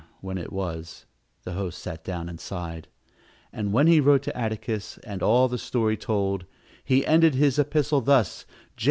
when it was The host sat down and sighed, And when he wrote to Atticus, And all the story told, He ended his epistle thus: "J.C.'